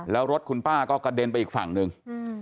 แล้วรถคุณป้าก็กระเด็นไปอีกฝั่งหนึ่ง